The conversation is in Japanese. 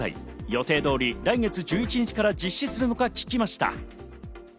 予定通り、来月１１日から実施するのか聞きました。